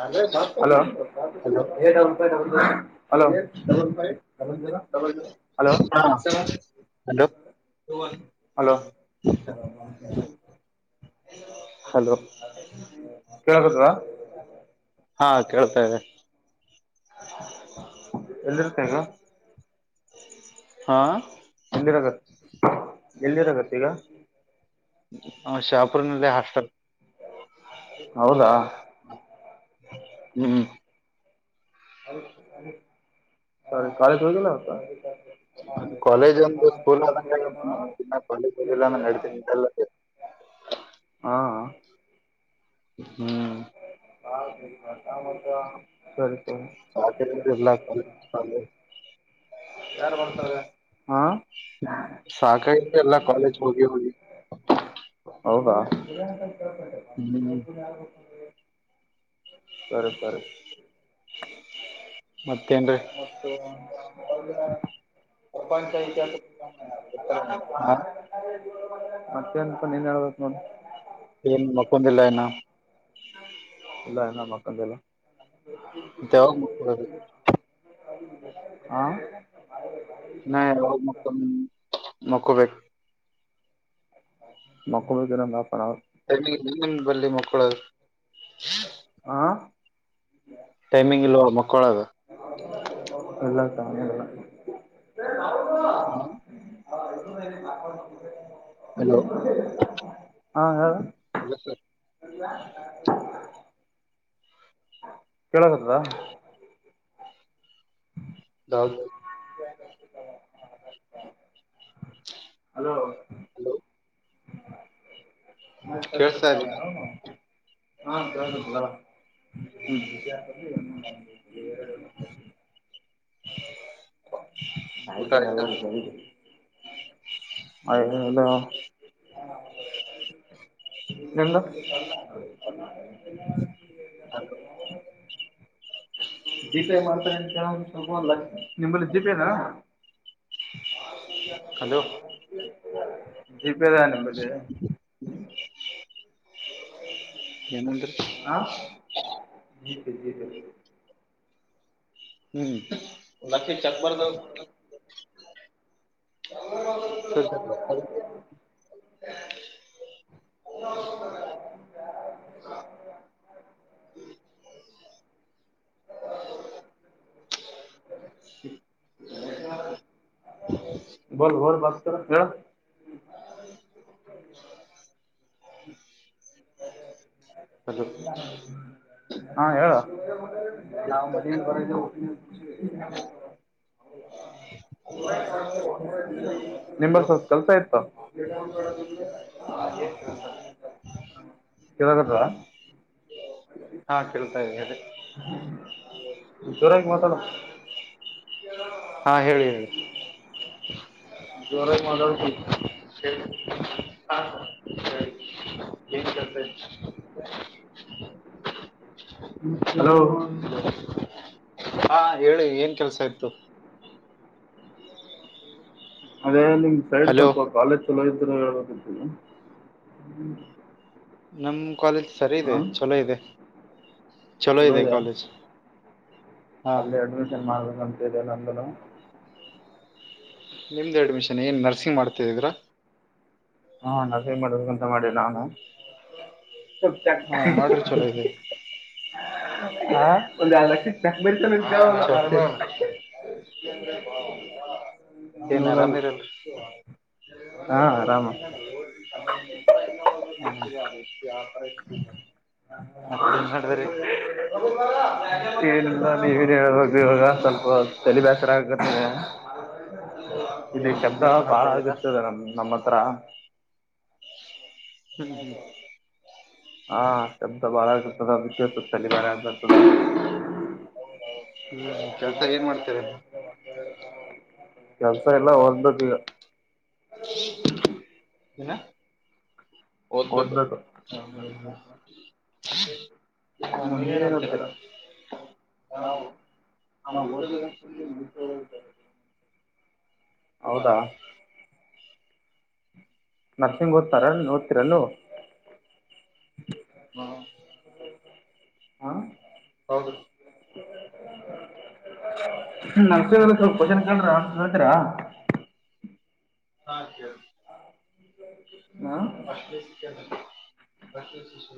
Hello hello hello hello hello hello ಕೇಳಕ್ಕತ್ತದ ಹಾ ಕೇಳ್ತಾ ಇದೆ ಎಲ್ಲಿರ್ತೀಯ ಈಗ ಹಾ ಎಲ್ಲಿರದ್ ಎಲ್ಲಿರಗತ್ತ ಈಗ ಹ ಶಾಪುರನ ಹಾಸ್ಲ್ ಹೌದಾ ಹ್ಮ್ [unintelligible] [inaudible] ಸರಿ ಕಾಲೇಜಿಗೆ ಹೋಗಿಲ್ವಾ ಇವತ್ತು. ಕಾಲೇಜ್ ಒಂದು ಸ್ಕೂಲ್ ಆದಂಗ ಆಗೈತೆ ಕಾಲೇಜಿಗೆ ಹೋಗಿಲ್ಲ ಅಂದ್ರು ನಡೆಯುತ್ತೆ ಹಾಂ [inaudible] ಹ್ಮ [inaudible] ಸರಿ ಸರಿ ಸಾಕಾಗಿದೆ ಎಲ್ಲ ಕಾಲೇಜ್ ಹಾ ಸಾಕಾಗಿದೆ ಎಲ್ಲ ಕಾಲೇಜ್ ಹೋಗಿ ಹೋಗಿ ಹೌದಾ ಹ್ಮ್ [unintelligible] ಸರಿ ಸರಿ. ಮತ್ತೇ ಏನ್ರೀ ರಿ [unintelligible] ಮತ್ತೆ ಏನಪಾ ನೀನ್ ಹೇಳ್ಬೇಕ ನೋಡ್. ಏನ್ ಮಕ್ಕೊಂದಿಲ್ಲ ಇನ್ನ ಇಲ್ಲ ಇನ್ನ ಮಕ್ಕಂತಲ್ಲ ಮತ್ತು ಯಾವಾಗ ಮಕ್ಕಳದು. ಆ [unintelligible] ನಾಯನ ಒಳಮಕ್ಕೋಬೇಕು ಮಕೋಬೇಕೇಕ [unintelligible] ಮಕ್ಕಳ ದರಲ್ಲಾ ಪಣ ನಾವ್. ಬಲ್ಲಿ ಮಕ್ಕಳು [unintelligible] ಹಾ. [inaudible] ಟೈಮಿಂಗ್ ಇಲ್ವಾ ಮ [unintelligible] ಅಲ್ಲ [inaudible] ಸ [inaudible] ಹ [inaudible] [inaudible] [inaudible] ಹಾ ಹೇಳ. ಹಲೋ ಸರ್ ಕೇಳ ಕತ್ತದ. [inaudible] ಹೌದು. ಹಲೋ ಹಲೋ [inaudible] ಹಾ ಸರ್ [inaudible] ಹ್ಮ್. [inaudible] [inaudible] ಊಟ ಆಯಕಲ್ಲ ಆಯ್ತಾ ಎಲ್ಲ ತ [unintelligible] ಹಲೋ [unintelligible] ನಿಂದು, [inaudible] ಜಿಪೇ ಮಾಡ್ತಾರೆ ಅಂತ ಕೇಳ ಸ್ವಲ್ಪ ಅವನ ಅ, ನಿಮ್ಮಲ್ಲಿ ಜಿಪೇನ. [unintelligible] ಹಲೋ ಜೀಪಿ ಇದ ನಿಮ್ಮಲ್ಲಿ. [unintelligible] ಏನಂದ್ರಿ? ಹ ಜ ಸ ಜೀ ಸ ಹ್ಮ್ ಲ ಚಕ್ಬರ್ದ ಸರಿ [unintelligible] ಹಾ [unintelligible] [unintelligible] ಹ [unintelligible] ಹ್ಮ ಬಲ್ ಬ ಬ ಹಾ ಹಲೋ ಹಾ ಹೇಳ ನಾವು ಮದುವೆಗೆ ಬಂದಿವಿ [inaudible] ನಿಮ ಹಲೋ ಸ್ವಲ್ಪ ಕೆಲ್ಸ ಇತ ಕೆಳುದ್ರಾ ಹಾ ಕೇಳ್ತಾ ಇದ್ದ ಹೇಳಿ ಸರಿಯಾಗಿ ಮಾತಾಡು ಹಾಂ ಹೇಳಿ ಹೇಳಿ ಜೋರಾಗಿ ಮಾತಾಡು ಸ್ವಲ್ಪ ಸ ಹ [inaudible] ಸರಿ ಏನ್ತ [inaudible] ಹಲೋ ಹಾ ಹೇಳಿ ಏನ್ ಕೆಲ್ಸ ಇತ್ತು ಅದೇ ನಿ ಸೈಡ್ ಹಲೋ ಸ್ವಲ್ಪ ಕಾಲು ಕಾಲುವತ್ತಲು ಇ [inaudible] ನಮ್ ಕಾಲೇಜ್ ಸರಿ ಇದೆ ಚಲೋ ಇದೆ ಚಲೋ ಇದೆ ಕಾಲೇಜ್ ಹಾ ಅಲ್ಲೇ ಅಡ್ಮಿಷನ್ ಮಾಡಬೇಕು ನಂತೆದೆ ನಂದನೌ ನಿಮ್ದು ಅಡ್ಮಿಷನ್ ಏನ್ ನರ್ಸಿಂಗ್ ಮಾಡ್ತಾ ಇದಿರಾ ಹಾ ನ ಸೇ ಮಾಡಂತ ಮಾಡೇ ನಾನು ಹು ಚ ಹಾ ಹಃ ಮಾಡ್ರಿ ಹಃ ಚಲೋ ಇದೆ ಹ ಹಾ ಒಂದ್ ಎಡ್ ಲಕ್ಷ ಹಾ ರನಾರ [unintelligible] ಏನ್ ಆರಾಮ್ ಇರಲ್ರಿ ಆರಾಮ [unintelligible] ಹ ನಡದ್ರಿ [unintelligible] ಏನಿಲ್ಲ ನೀವನ್ ಹೇಳ್ಬುದು ಇವಾಗ ಸ್ವಲ್ಪ ತಲೆ ಬೇಸರ ಆಗಕತದೆ ಇಲ್ಲಿ ಏನ್ ಶಬ್ದ ಬಿಸ್ನೆಸ್ ಬಾಳ ಮಾಡ್ತಾ ಇದೀರಾ ಆಗತದ ನಮ ನಮ್ಮ ಹತ್ರ [inaudible] ಹ ಹ್ಮ್ ಹಾ ಶಬ್ದ ಬಾಳ ಆಗತದ ಅದ್ಕೆ ಸ್ವಲ್ಪ್ ತಲಿ ಬ್ಯಾನೆಕುತ್ತದ ಹ್ಮ್ ಕೆಲ್ಸ ಏನ್ ಮಾಡ್ತೀರ ಕೆಲ್ಸ ಎಲ್ಲಾ ಓದ್ಬೇಕ್ ಈಗ [unintelligible] ಏನ ಓದ್ಬೇಕು ಹ [unintelligible] ನೀವ್ ಏನ್ ಒದ್ತೀರ ನಾವು ನಾವು ಓದುಲಿಲ್ಲ [unintelligible] ಹೌದಾ ನರ್ಸಿಂಗ್ ಓದ್ತಾರ ನೋಡ್ತೀರಲ್ಲ ವ ಆ ಹೌದು ನಾನ್ ಸ್ವಲ್ಪಷನ ಕೇಲ್ದ್ರೆ ಹೇಳ್ತೀರಾ ಹಾ ಕೇಳು ಹಾ ಅಷಟಿಷ್ಷ್ಟಲಿ ಬಂತು ಸು ಸು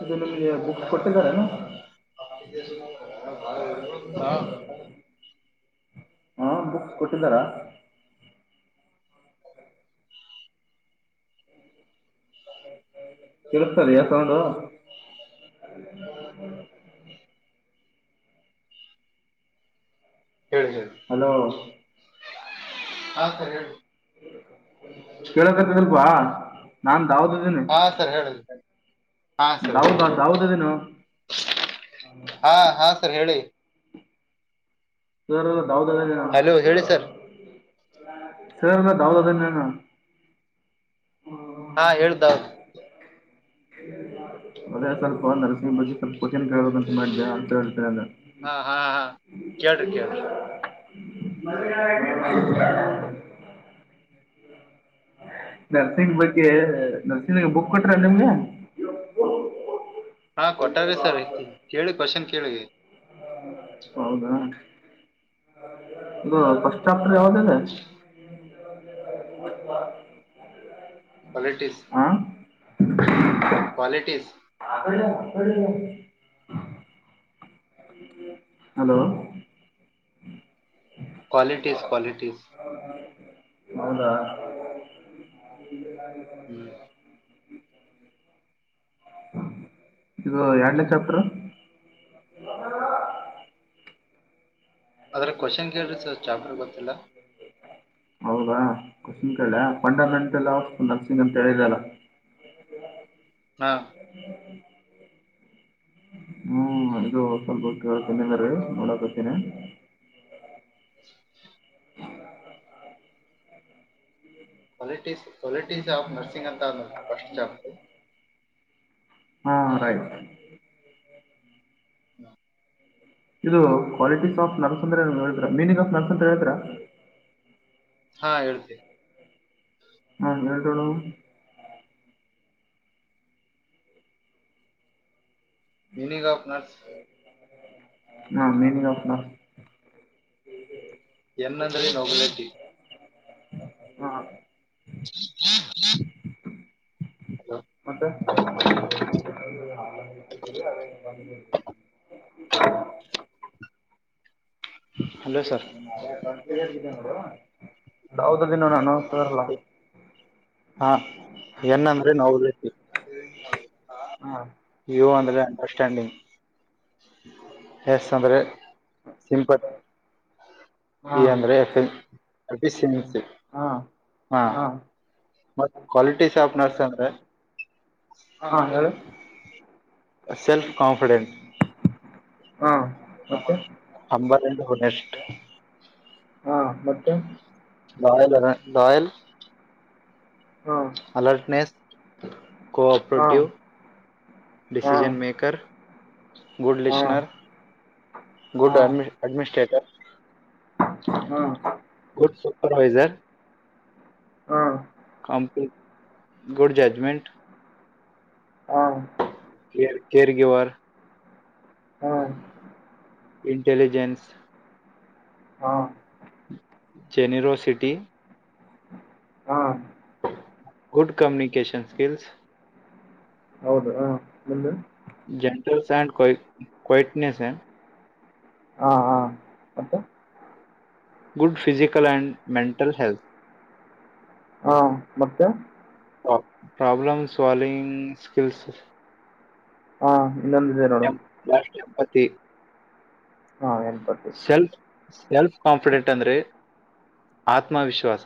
ಇದು ನಿಮ್ಗೆ ಬುಕ್ಸ್ ಕೊಟ್ಟಿದ್ದಾರೇನು ಹಾ ಹ ಬುಕ್ಸ್ ಕೊಟ್ಟಿದ್ದಾರಾ ಕೇಳ್ಸ್ ತದ್ಯ ಸೌಂಡು ಹೇಳ್ ಹೇಳು ಹಲೋ ಹಾ ಸರಿ ಹೇಳಿ ಕೇಳೋಕತದಲ್ಕ್ವಾ ನಾ ಹಾ ಸರ್ ಹೇಳು ಹಾ ಸರ್ ದಾವೂದ್ ಹೇಳಿ ದಾವೂದ್ ಅದೀನಿ ಸ ಹಾ ಹಾ ಸರ್ ಹೇಳಿ ಸರ್ ದಾವದ ಗ ಹಲೋ ಹೇಳಿ ಸರ್ ಅದನಿ ಸರ್ ಸೌದ ದಿನ ಹಾ ಹೇಳ್ದಾವ ಮನೆ ಸಣ್ಣದು ನರಸಿಂಗ ಬಗ್ಗೆ ಸ್ವಲ್ಪ ಕ್ವನ್ ಕೇಳಂತ ಮಾಡಿದೆ ಆನ್ಸರ್ ಹೇಳ್ತ ಅಲ್ಲ ಹಾ ಹಾ ಹಾ ಕೇಳ್ರಿ ಕೇಳ್ರಿ ನರ್ಸಿಂಗ್ ಬಗ್ಗೆ ನರ್ಸಿಂಗ ಬುಕ್ ಕೊಟ್ರ ನಿಮ್ಗೆ ಹಾ ಕೊಟ್ಟಾರ ಸರ್ ಕೇಳಿ ಕ್ವಶನ್ ಕೇಳಿ ಹೌದಾ ಇ ಫಸ್ಟ್ ಚಾಪ್ಟರ್ ಯಾವ್ದ ಇದೆ ಕ್ವಾಲಿಟೀಸ್ ಹಾ ಕ್ವಾಲಿಟೀಸ್ ಹ ಹಲೋ ಕ್ವಾಲಿಟೀಸ್ ಕ್ವಾಲಿಟೀಸ್ ಹೌದ ಹ್ಮ್ ಹ ಇದು ಎರಡನೇ ಚಾಪ್ಟರ್ ಅದ್ರ ಕ್ವಶನ್ ಕೇಳ್ರಿ ಸರ್ ಚಾಪ್ಟರ್ ಗೊತ್ತಿಲ್ಲ ಹೌದಾ ಕ್ವೆಶ್ಚನ್ ಕೇಳ್ಲಾ ಫಂಡಮೆಂಟಲ್ ಆಫ್ ನರ್ಸಿಂಗ್ ಅಂತ ಹೇಳಿದಲ್ಲ ಹಾ ಹ್ಮ್ ಇದು ಸ್ವಲ್ಪ ನೋಡಾಕತೀನಿ ಕ್ವಾಲಿಟಿಸ್ ಕ್ವಾಲಿಟೀಸ್ ಆಫ್ ನರ್ಸಿಂಗ್ ಅಂತ ಫಸ್ಟ್ ಚಾಪ್ಟರ್ ಹಾ ರೈಟ್ ಹಾ ಇದು ಕ್ವಾಲಿಟೀಸ್ ಆಫ್ ನರ್ಸ್ ಅಂದ್ರೆ ಹೇತಿರಾ ಮೀನಿಂಗ್ ಆಫ್ ನರ್ಸ ಅಂತ್ರ ಹೇಳ್ತೀರಾ ಹಾ ಹೇಳ್ತೀವಿ ಹಾ meaning of nurse meaning of nurse ಎನ್ ಅಂದ್ರೆ ನೋಗಲಿಟಿ ಹಾ [inaudible] ಹಲೋ ಮತ್ತೆ ಹಲೋ ಸರ್ ಯಾವದ ದಿನ ನ ಹ ಎನ್ ಅಂದ್ರೆ ನವಲಟ್ಟಿ ಹಾ ಯು ಅಂದ್ರೆ ಅಂಡರ್ಸ್ಟ್ಯಾಂಡಿಂಗ್ [unintelligible] ಎಸ್ ಅಂದ್ರೆ ಸಿಂಪತ್ ಹಾ ಬಿ ಅಂದ್ರೆ ಎಪಿ ಸೀನಿಯರ್ಸೀಟ್ ಹಾ ಹಾ ಮತ್ ಕ್ವಾಲಿಟಿ ಶಾಪ್ ನರ್ಸ್ ಅಂದ್ರೆ ಹಾ ಹೇಳಿ ಸೆಲ್ಫ್ ಕಾನ್ಫಿಡೆಂಟ್ ಹಾ [unintelligible] ಹಂಬತ್ತೆಂಟ್ ಹುನಷ್ಟು ಹಾ ಮತ್ತೆ ಲಾಯಲ್ ಎನ ಲಾಯಲ್ ಹಾ ಅಲರ್ಟ್ ನೆಸ್ [unintelligible] ಹಾ ಕೋಆಪ್ರೇಟಿವ್ ಹಾ ಹಾ ಡಿಸಿಜನ್ ಮೇಕರ್ ಗುಡ್ ಹಾ ಲಿಸನರ್ ಹಾ ಹಾ ಗುಡ್ ಅಡ್ಮಿನಿಸ್ಟ್ರೇಟರ್ ಗುಡ್ಸ್ ಸುಪ್ರವೈಸರ್ ಹಾ ಕಾಂಪಿಟ ಗುಡ್ ಜಡಜ್ಮೆಂಟ್ ಹಾ ಕೆರ್ ಗಿವರ ಇಂಟಲಿಜೆನ್ಸ್ ಹಾ ಜೆನಿರೋ ಸಿಟಿ ಹಾ ಗುಡ್ ಕಮ್ಯುನಿಕೇಶನ್ ಸ್ಕಿಲ್ಸ್ ಹೌದು ಹ ಜೆಂಟಲ್ಸ ಅಂಡ್ ಕ್ವಾ ಕ್ವೈಟ್ ನೆಸ್ ಅ ಹಾ ಹಾ ಮತ್ತೆ good physical and mental health ಮತ್ತೇ ಪ್ರಾಬ್ಲಮ ಸ್ಲಾವಿಂಗ ಸ್ಕಿಲ್ಸ್ ಇನೊಂದ್ ಇದೆ ನೋಡು ಎಂಪತಿ ಬಂತೂ ಸೆಲ್ಫ್ ಕಾನ್ಫಿಡೆಂಟ್ ಅಂದ್ರೆ ಆತ್ಮವಿಶ್ವಾಸ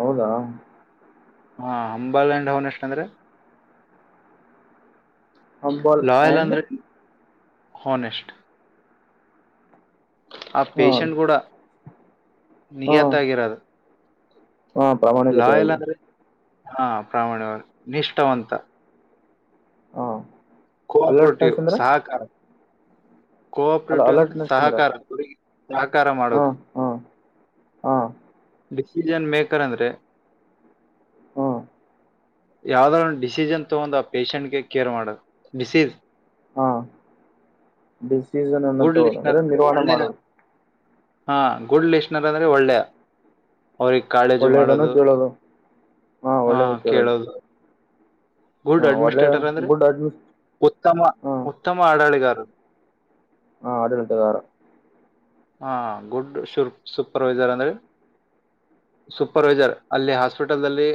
ಹೌದಾ ಹಾ ಹಂಬಲ್ ಅಂಡ್ ಹಾನೆಸ್ಟ್ ಅಂದ್ರೆ ಹಂಬಾಲ್ ಲಾಯಲ್ ಆ್ಯಂಡ್ ಅಂದ್ರೆ ಹೋನೆಸ್ಟ್ ಆ ಹಾಂ ಪೇಷಂಟ್ ಗೂಡ ನಿಯತಾಗಿರೋದು ಹಾ ಪ್ರಾಮಾಣಿಕತೆ ಅದು ಹಾ ಪ್ರಾಮಾಣವಾಗಿ ನಿಷ್ಠಾವಂತ ಹಾಂ ಕೊ ಆಪರೇಟಿವ್ ಅಲರ್ಟ್ನೆಸ್ ಅಂದ್ರೆ ಸಹಕಾರ ಕೋ ಅಲ್ಲ ಆಪ್ರೇಟಿವ್ ಅಂದ್ರೆ ಅಲರ್ಟ್ನೆಸ್ ಅಂದ್ರ ಸಹಕಾರ ಹುಡುಗೀ ಸಹಕಾರ ಮಾಡೋದು ಹಾ ಡಿಸಿಷನ್ ಮೇಕರ್ ಅಂದ್ರೆ ಹ ಯಾವುದಾದರೂ ಡಿಸೀಜ್ ಅನ್ನು ತೊಗೊಂಡ್ ಆ ಪೇಶಂಟ್ಗೆ ಕೇರ್ ಮಾಡದು ಡಿಸೀಜ್ ಡಿಸೀಜ್ ಸೀಸನ್ ಅನ್ನು ಗುಡ್ ತೊಗೊಂಡ ಲಿಸ್ಟನರ್ ಅಂದ್ರೆ ನಿರ್ವಹಣೆ ಒಳ್ಳೆಯ ಮಾಡೋದು ಹಾ, ಗುಡ್ ಲಿಜಿನರ್ ಆದರೆ ಒಳ್ಳೇಯಾ ಅವರಿಗೆ ಕಾಳಜಿ ಒಳ್ಳೇದನ್ನು ಮಾಡೋದು ಕೇಳೋದು ಹಾ ಕೇಳೋದು ಗುಡ್ ಹ ಒಳ್ಳೆ ಅಡ್ಮಿನಿಸ್ಟ್ರೇಟರ್ ಅಂದ್ರೆ ಗುಡ್ ಅಡ್ಮಿಸ್ ಉತ್ತಮ ಹ ಉತ್ತಮ ಆಡಳಿತಗಾರರು ಹಾ ಆಡಳಿತಗಾರ ಹಾ ಗುಡ್ ಸೂಪರ್ವೈಸರ್ ಅಂದ್ರೆ ಸೂಪರ್ವೈಸರ್ ಅಲ್ಲಿ ಹಾಸ್ಪಿಟಲ್ದಲ್ಲಿಲ್ಲಿ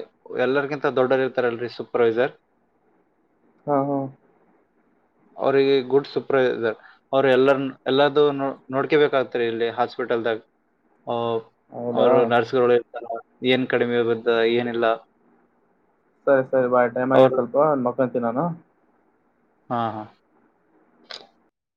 ಎಲ್ಲರ್ಗಿಂತ ದೊಡ್ಡರ್ ಇರ್ತಾರಲ್ರರಿ ಸೂಪರ್ವೈಸರ್ ಹಾ ಹಾ ಅವ್ರಿಗೆ ಗುಡ್ ಸೂಪರ್ವೈಸರ್ ಎಲ್ಲರದು ಎಲ್ಲ ನೋಡ್ಕೊಂಬೇಕಾಗುತ್ತೆ ಇಲ್ಲಿ ಹಾಸ್ಪಿಟಲ್ದಾಗ ಹೌದಾ ಅವರು ನರ್ಸಗಳು ಇರುತ್ತಾರೆ ಏನ್ ಕಡಿಮೆ ಬರುತ್ತೇ ಏನಿಲ್ಲ ಸರಿ ಸರಿ ಬೈ ಟೈಮ್ ಹಾಗಿದೆ ಅವರು ಸ್ವಲ್ಪ ಮಲಗಿತೀನಿ [unintelligible] ಹಾ ಹಾ